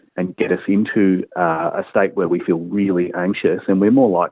dan benar benar kebenaran terbaik untuk itu adalah